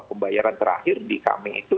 pembayaran terakhir di kami itu